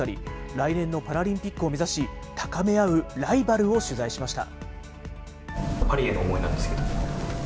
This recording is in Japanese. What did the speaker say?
来年のパラリンピックを目指し、高め合うライバルを取材しました。